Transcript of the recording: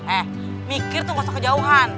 eh mikir tuh gausah kejauhan